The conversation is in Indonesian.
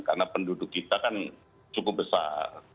karena penduduk kita kan cukup besar